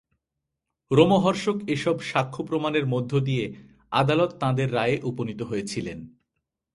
রোমহর্ষক এসব সাক্ষ্য প্রমাণের মধ্য দিয়ে আদালত তাঁদের রায়ে উপনীত হয়েছিলেন।